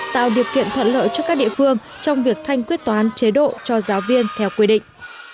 tạo điều kiện thuận lợi cho các địa phương trong việc thanh quyết toán chế độ cho giáo viên theo quy định